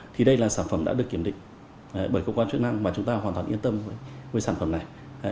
thì đây là sản phẩm đã được kiểm định bởi cơ quan chức năng và chúng ta hoàn toàn yên tâm với sản phẩm này